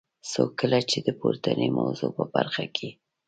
خو کله چي د پورتنی موضوع په برخه کي.